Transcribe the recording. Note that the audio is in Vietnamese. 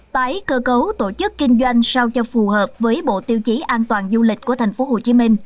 tái cơ cấu tổ chức kinh doanh sao cho phù hợp với bộ tiêu chí an toàn du lịch của tp hcm